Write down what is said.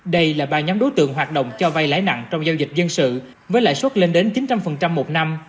đây là ba nhóm đối tượng hoạt động cho vay lãi nặng trong giao dịch dân sự với lãi suất lên đến chín trăm linh một năm